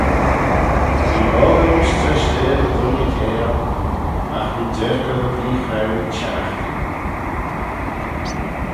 Bee boggey ayns treishteil y dooinney cairal: agh nee jerkal y vee-chrauee cherraghtyn.